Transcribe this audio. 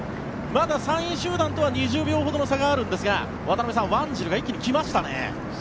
まだ３位集団とは２０秒ほどの差がありますが渡辺さん、ワンジルが一気に来ましたね。